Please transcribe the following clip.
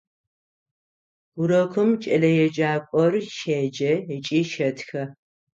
Урокым кӏэлэеджакӏор щеджэ ыкӏи щэтхэ.